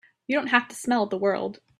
You don't have to smell the world!